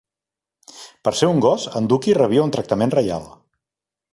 Per ser un gos, en Dookie rebia un tractament reial.